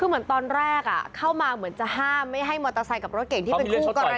คือเหมือนตอนแรกเข้ามาเหมือนจะห้ามไม่ให้มอเตอร์ไซค์กับรถเก่งที่เป็นคู่กรณี